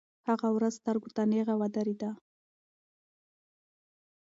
هغه ورځ سترګو ته نیغه ودرېده.